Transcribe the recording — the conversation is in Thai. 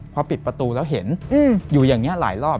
พอปิดประตูแล้วเห็นอยู่อย่างนี้หลายรอบ